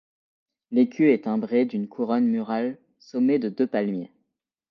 L’écu est timbré d’une couronne murale sommés de deux palmiers.